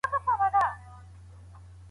پروفيسور دا تر ټولو لويه غلا وبلله.